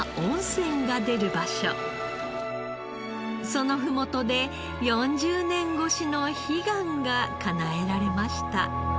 その麓で４０年越しの悲願がかなえられました。